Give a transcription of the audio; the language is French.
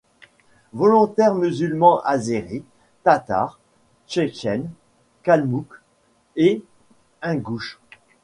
Volontaires musulmans Azéris, Tatars, Tchétchènes, Kalmouks et Ingouches.